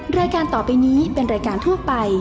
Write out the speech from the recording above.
รายการต่อไปนี้เป็นรายการทั่วไป